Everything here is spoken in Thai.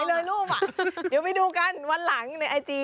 เดี๋ยวไปดูกันวันหลังในไอจี